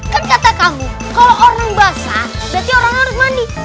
kan kata kamu kalau orang basah berarti orang harus mandi